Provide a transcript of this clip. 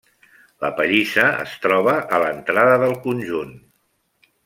La pallissa es troba a l'entrada del conjunt.